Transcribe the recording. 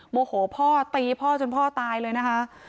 โมโหพ่อตีพ่อจนพ่อตายเลยนะคะ